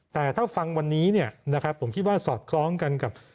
แต่ถ้าฟังวันนี้ผมคิดว่าสอดคล้องกันกับ